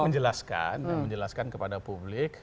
cukup menjelaskan kepada publik